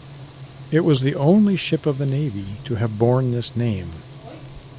It was the only ship of the Navy to have borne this name.